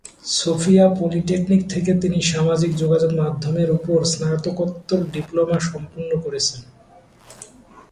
Sophia Polytechnic থেকে তিনি সামাজিক যোগাযোগ মাধ্যম এর উপর স্নাতকোত্তর ডিপ্লোমা সম্পন্ন করেছেন।